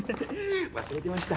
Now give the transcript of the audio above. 忘れてました。